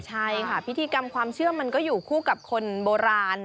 ใช่ค่ะพิธีกรรมความเชื่อมันก็อยู่คู่กับคนโบราณ